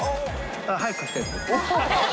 早く書きたいです。